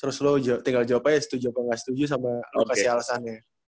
terus lo tinggal jawab aja setuju apa gak setuju sama lo kasih alasannya